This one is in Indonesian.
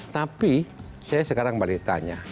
tapi saya sekarang balik tanya